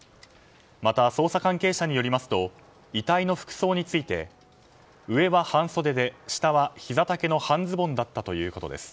また、捜査関係者によりますと遺体の服装について上は半袖で、下はひざ丈の半ズボンだったということです。